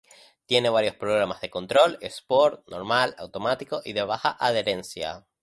Tiene varios programas de control: sport, normal, automático y de baja adherencia.